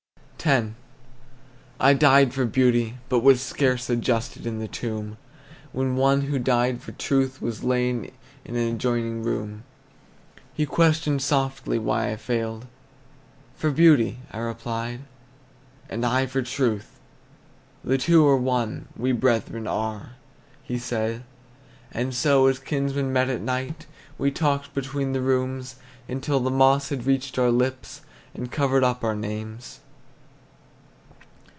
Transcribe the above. X. I died for beauty, but was scarce Adjusted in the tomb, When one who died for truth was lain In an adjoining room. He questioned softly why I failed? "For beauty," I replied. "And I for truth, the two are one; We brethren are," he said. And so, as kinsmen met a night, We talked between the rooms, Until the moss had reached our lips, And covered up our names.